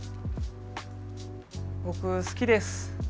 僕好きです。